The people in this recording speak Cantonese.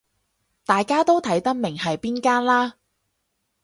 大家都睇得明係邊間啦